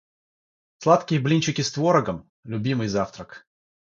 Сладкие блинчики с творогом - любимый завтрак.